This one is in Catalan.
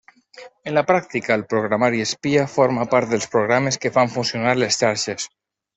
En la pràctica, el 'programari espia' forma part dels programes que fan funcionar les xarxes.